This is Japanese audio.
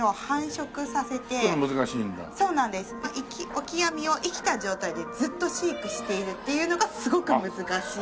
オキアミを生きた状態でずっと飼育しているっていうのがすごく難しい。